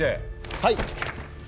はい！